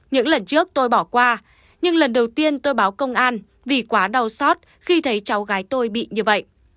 những lần trước tôi bỏ qua nhưng lần đầu tiên tôi báo công an vì quá đau xót khi thấy cháu gái tôi bị như vậy